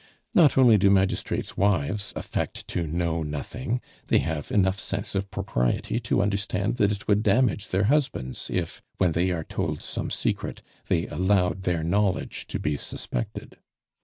Not only do magistrates' wives affect to know nothing; they have enough sense of propriety to understand that it would damage their husbands if, when they are told some secret, they allowed their knowledge to be suspected.